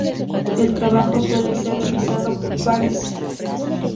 El trabajo suele ser revisado por pares.